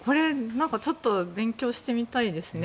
ちょっと勉強してみたいですね。